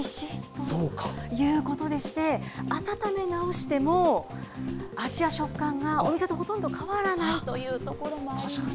ということでして、温め直しても、味や食感がお店とほとんど変わらないというところもありま